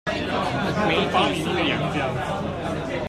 媒體素養